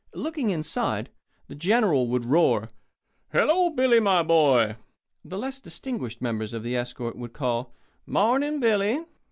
Looking inside, the General would roar: "Hello, Billy, my boy." The less distinguished members of the escort would call: "Morning, Billy."